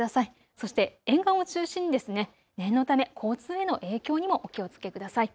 そして沿岸を中心に念のため交通への影響にもお気をつけください。